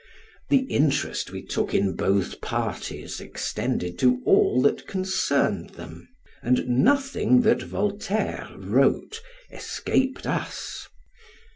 The interest we took in both parties extended to all that concerned them, and nothing that Voltaire wrote escaped us.